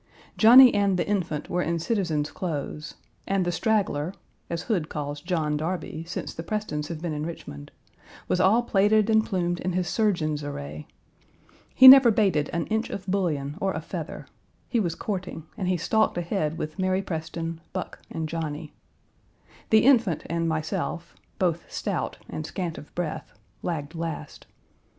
Johnny and the Infant were in citizens' clothes, and the Straggler as Hood calls John Darby, since the Prestons have been in Richmond was all plaided and plumed in his surgeon's array. He never bated an inch of bullion or a feather; he was courting and he stalked ahead with Mary Preston, Buck, and Johnny. The Infant and myself, both stout and scant of breath, lagged last.